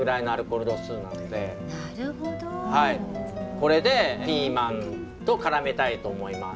これでピーマンとからめたいと思います。